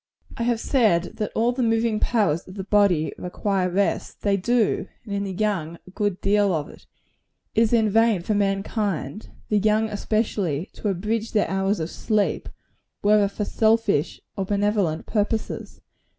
I have said that all the moving powers of the body require rest. They do; and in the young, a good deal of it. It is in vain for mankind the young especially to abridge their hours of sleep, whether for selfish or benevolent purposes.